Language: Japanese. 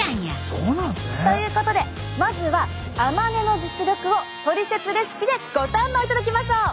そうなんすね。ということでまずは甘根の実力をトリセツレシピでご堪能いただきましょう！